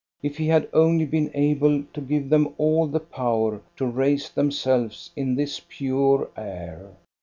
If he had only been able to give them all the power to raise themselves in this pure air!